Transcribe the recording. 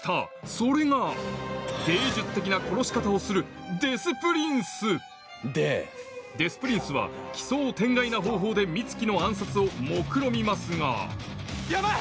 それが芸術的な殺し方をするデス・プリンスは奇想天外な方法で美月の暗殺を目論みますがやばい！